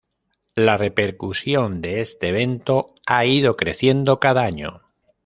La repercusión de este evento ha ido creciendo cada año.